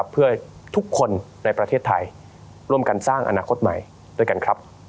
เพื่อทุกคนในประเทศไทยร่วมกันสร้างอนาคตใหม่ด้วยกันครับ